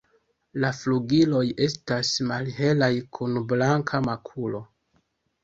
La flugiloj estas malhelaj kun blanka makulo.